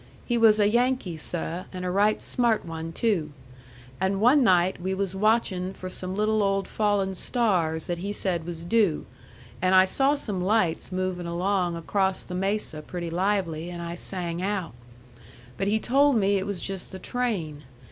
He was a Yankee, seh, and a right smart one, too. And one night we was watchin' for some little old fallin' stars that he said was due, and I saw some lights movin' along across the mesa pretty lively, an' I sang out. But he told me it was just the train.